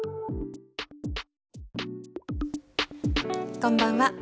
こんばんは。